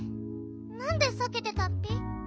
なんでさけてたッピ？